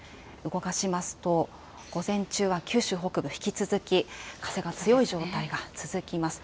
動かしますと、午前中は九州北部、引き続き風が強い状態が続きます。